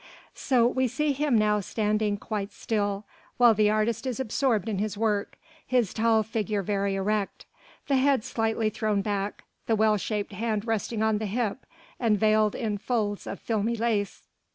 So we see him now standing quite still, while the artist is absorbed in his work: his tall figure very erect, the head slightly thrown back, the well shaped hand resting on the hip and veiled in folds of filmy lace.